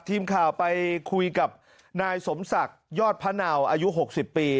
ทีมข่าวไปคุยกับนายสมศักดิ์ยอดพะเนาอายุ๖๐ปี